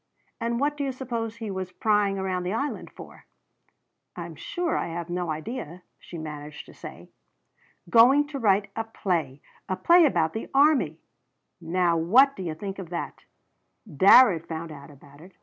"And what do you suppose he was prying around the Island for?" "I'm sure I have no idea," she managed to say. "Going to write a play a play about the army! Now what do you think of that? Darrett found out about it.